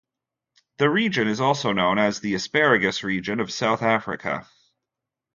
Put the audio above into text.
The region is also known as the asparagus region of South Africa.